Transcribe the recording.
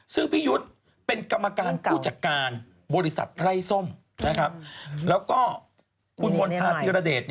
ซึ่งพี่ยุทธเป็นกรรมการผู้จัดการบริษัทไล่ส้มนะครับแล้วก็คุณวลภาษีระเด็ด